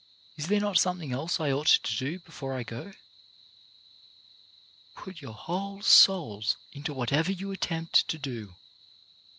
Is there not something else I ought to do before I go ?" Put your whole souls into whatever you attempt to do.